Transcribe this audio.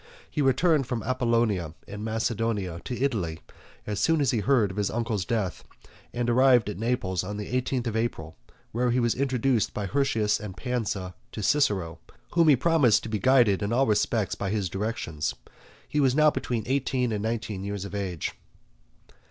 He returned from Apollonia, in Macedonia, to Italy as soon as he heard of his uncle's death, and arrived at Naples on the eighteenth of April, where he was introduced by Hirtius and Pansa to Cicero, whom he promised to be guided in all respects by his directions. He was now between eighteen and nineteen years of age.